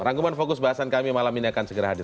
rangkuman fokus bahasan kami malam ini akan segera hadir